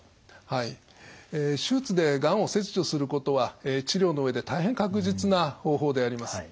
はい手術でがんを切除することは治療の上で大変確実な方法であります。